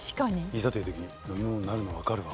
いざという時に飲み物になるの分かるわ。